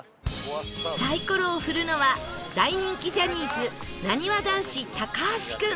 サイコロを振るのは大人気ジャニーズなにわ男子高橋君